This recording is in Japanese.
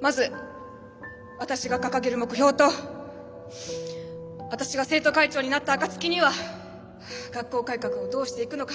まず私が掲げる目標と私が生徒会長になった暁には学校改革をどうしていくのか。